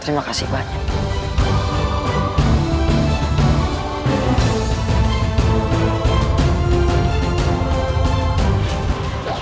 terima kasih banyak